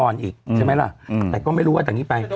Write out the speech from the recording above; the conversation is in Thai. ใช่ไหมล่ะก็ไม่รู้ว่าแต่งนี้ไป